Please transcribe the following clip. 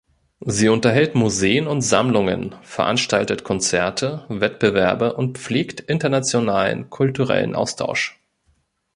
Sie unterhält Museen und Sammlungen, veranstaltet Konzerte, Wettbewerbe und pflegt internationalen kulturellen Austausch.